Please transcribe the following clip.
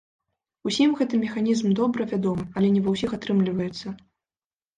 Усім гэты механізм добра вядомы, але не ва ўсіх атрымліваецца.